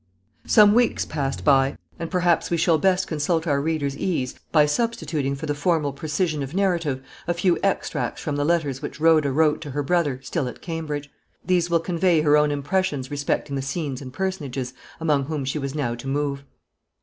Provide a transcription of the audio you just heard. Some weeks passed away, and perhaps we shall best consult our readers' ease by substituting for the formal precision of narrative, a few extracts from the letters which Rhoda wrote to her brother, still at Cambridge. These will convey her own impressions respecting the scenes and personages among whom she was now to move.